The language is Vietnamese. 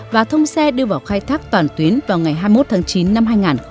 và thông xe đưa vào khai thác toàn tuyến vào ngày hai mươi một tháng chín năm hai nghìn hai mươi